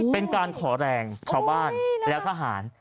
เป็นการขอแรงชาวบ้านและทหาร